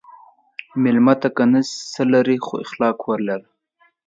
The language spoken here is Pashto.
مېلمه ته که نه څه لرې، خو اخلاق ولره.